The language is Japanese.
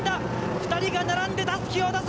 ２人が並んでたすきを渡す。